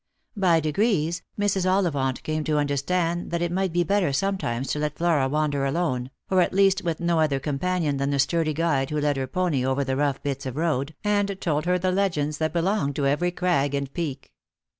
By degrees, Mrs. Ollivant came to understand that it might be better sometimes to let Flora wander alone, or at least with no other companion than the sturdy guide who led her pony over the rough bits of road, and told her the legends that belonged to every crag and peak.